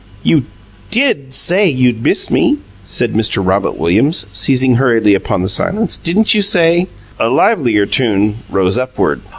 "You DID say you'd missed me," said Mr. Robert Williams, seizing hurriedly upon the silence. "Didn't you say " A livelier tune rose upward.